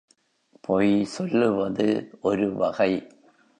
பொய் சொல்வது ஒரு வகை.